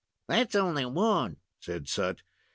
"That's only one," said Sut.